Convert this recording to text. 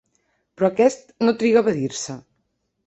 Però aquest no triga a evadir-se.